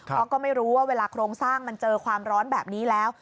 เพราะก็ไม่รู้ว่าเวลาโครงสร้างมันเจอความร้อนแบบนี้แล้ว